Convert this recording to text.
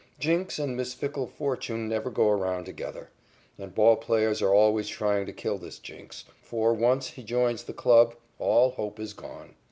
Jinx and Miss Fickle Fortune never go around together. And ball players are always trying to kill this jinx, for, once he joins the club, all hope is gone.